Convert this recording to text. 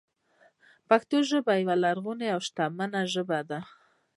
پښتو ژبه یوه لرغونې او شتمنه ژبه ده.